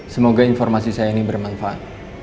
semoga informasi saya ini bermanfaat